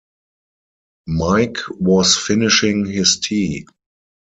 Mike was finishing his tea.